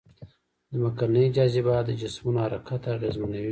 ځمکنۍ جاذبه د جسمونو حرکت اغېزمنوي.